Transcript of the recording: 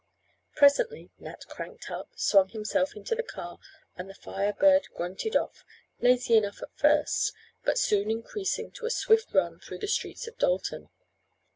Presently Nat cranked up, swung himself into the car and the Fire Bird "grunted off" lazy enough at first, but soon increasing to a swift run through the streets of Dalton.